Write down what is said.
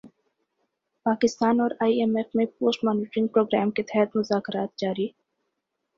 پاکستان اور I M F میں post monitoring programme کے تحت مذاکرات جاری